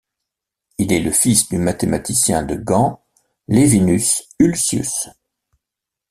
Il est le fils du mathématicien de Gand, Levinus Hulsius.